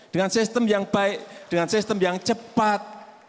dengan sistem yang baik dengan sistem yang cepat